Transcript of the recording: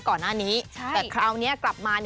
ก่อนหน้านี้แต่คราวนี้กลับมา